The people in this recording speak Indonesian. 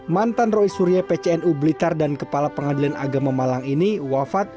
mantan roy suryo pcnu blitar dan kepala pengadilan agama malang ini wafat